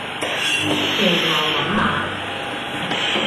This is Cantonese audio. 騎牛揾馬